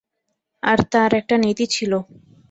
আর তার একটা নীতি ছিল।